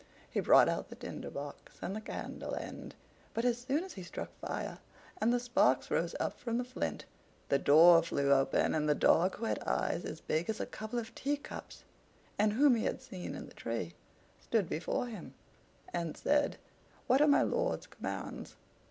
He brought out the Tinder box and the candle end; but as soon as he struck fire and the sparks rose up from the flint, the door flew open, and the dog who had eyes as big as a couple of teacups, and whom he had seen in the tree, stood before him, and said: "What are my lord's commands?"